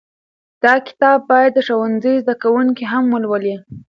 دا کتاب باید د ښوونځي زده کوونکي هم ولولي.